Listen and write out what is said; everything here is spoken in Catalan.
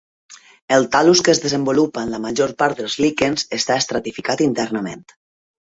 El tal·lus que es desenvolupa en la major part dels líquens està estratificat internament.